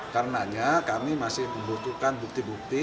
karenanya kami masih membutuhkan bukti bukti